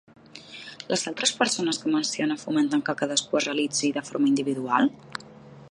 Les altres persones que menciona fomenten que cadascú es realitzi de forma individual?